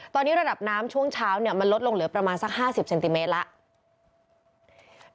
ตอนนี้ระดับน้ำช่วงเช้ามันลดลงเหลือประมาณสัก๕๐เซนติเมตรแล้ว